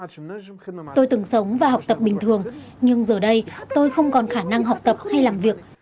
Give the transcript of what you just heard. sống và học tập bình thường nhưng giờ đây tôi không còn khả năng học tập hay làm việc